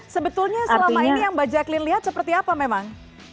sebetulnya selama ini yang mbak jacque lihat seperti apa memang